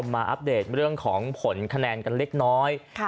อัปเดตเรื่องของผลคะแนนกันเล็กน้อย